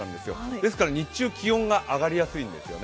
ですから、日中、気温が上がりやすいんですよね。